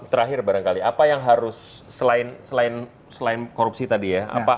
terakhir barangkali apa yang harus selain korupsi tadi ya